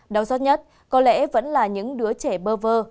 đau xót nhất có lẽ vẫn là những đứa trẻ bơ vơ